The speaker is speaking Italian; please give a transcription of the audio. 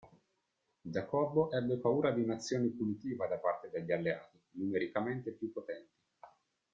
Giacobbe ebbe paura di un'azione punitiva da parte degli alleati, numericamente più potenti.